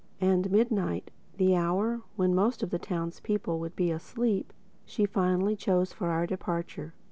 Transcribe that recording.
And midnight, the hour when most of the townspeople would be asleep, she finally chose for our departure.